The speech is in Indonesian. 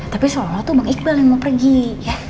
tapi seolah olah tuh bang iqbal yang mau pergi ya